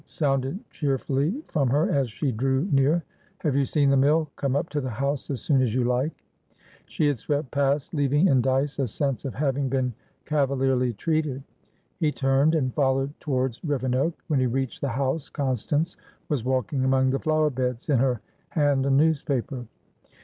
sounded cheerfully from her, as she drew near. "Have you seen the mill? Come up to the house as soon as you like." She had swept past, leaving in Dyce a sense of having been cavalierly treated. He turned, and followed towards Rivenoak. When he reached the house, Constance was walking among the flower beds, in her hand a newspaper.